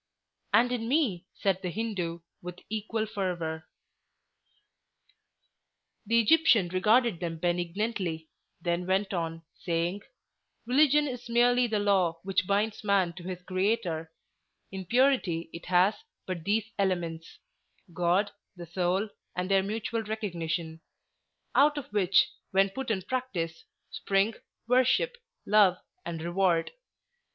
"And in me!" said the Hindoo, with equal fervor. The Egyptian regarded them benignantly, then went on, saying, "Religion is merely the law which binds man to his Creator: in purity it has but these elements—God, the Soul, and their Mutual Recognition; out of which, when put in practise, spring Worship, Love, and Reward.